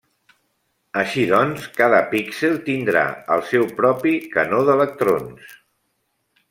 Així doncs, cada píxel tindrà el seu propi canó d'electrons.